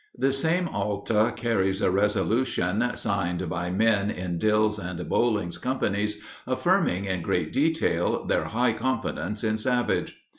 The same Alta carries a resolution, signed by men in Dill's and Boling's companies, affirming in great detail their high confidence in Savage.